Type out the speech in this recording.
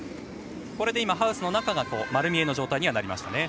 これでハウスの中が丸見えの状態になりました。